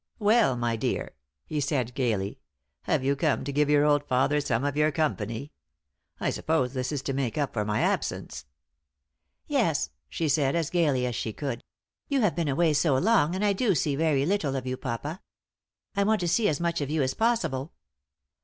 "Well, my dear," he said, gaily, "have you come to give your old father some of your company? I suppose this is to make up for my absence." "Yes," she said, as gaily as she could. "You have been away so long, and I do see very little of you, papa. I want to see as much of you as possible."